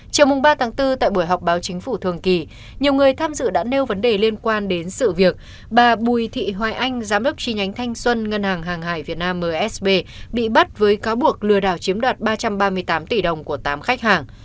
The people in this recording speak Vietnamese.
chiều ba bốn tại buổi họp báo chính phủ thường kỳ nhiều người tham dự đã nêu vấn đề liên quan đến sự việc bà bùi thị hoài anh giám đốc tri nhánh thanh xuân ngân hàng hàng hải việt nam msb bị bắt với cáo buộc lừa đảo chiếm đoạt ba trăm ba mươi tám tỷ đồng của tám khách hàng